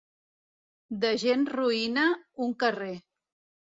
De gent roïna, un carrer.